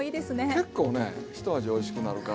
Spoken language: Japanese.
結構ねひと味おいしくなるから。